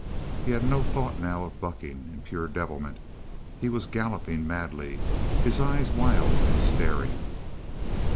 He had no thought now of bucking in pure devilment he was galloping madly, his eyes wild and staring.